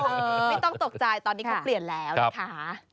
ไม่ต้องตกใจตอนนี้เขาเปลี่ยนแล้วนะคะ